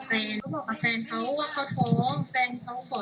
ถ้าลูกขอเชียงพี่ได้ไหมหนูจะเอาไปปวดอันนั้นหลอกแฟน